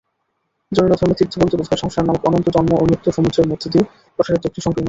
জৈনধর্মে ‘তীর্থ’ বলতে বোঝায় ‘সংসার নামক অনন্ত জন্ম ও মৃত্যুর সমুদ্রের মধ্যে দিয়ে প্রসারিত একটি সংকীর্ণ পথ’।